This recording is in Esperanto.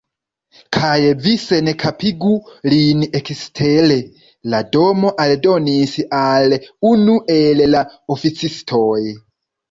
"Kaj vi senkapigu lin ekstere," la Damo aldonis al unu el la oficistoj.